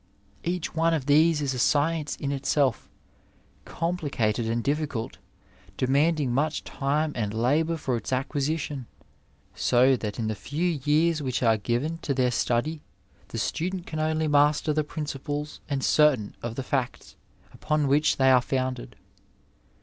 Each one of these is a science in itself, complicated and difficult, demanding much time and labour for its acquisition, so that in the few years which are^ given to their study the student can only master the principles and certain of the facts upon which they are founded.